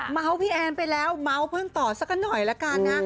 พี่แอนไปแล้วเมาส์เพิ่มต่อสักหน่อยละกันนะ